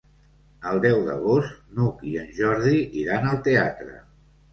El deu d'agost n'Hug i en Jordi iran al teatre.